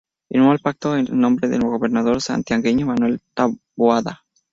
Firmó el Pacto en nombre del gobernador santiagueño Manuel Taboada.